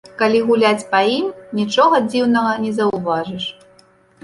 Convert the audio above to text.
Калі гуляць па ім, нічога дзіўнага не заўважыш.